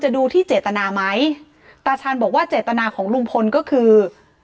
ดูที่เจตนาไหมตาชาญบอกว่าเจตนาของลุงพลก็คือ